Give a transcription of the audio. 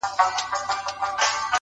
پوهه له کنجکاو ذهن سره مینه لري!